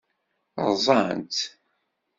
Ṛṛẓan-tt?